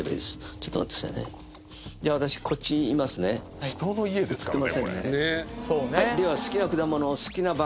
ちょっと待ってくださいねじゃあ私こっちいますね映ってませんね